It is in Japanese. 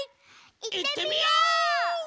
いってみよう！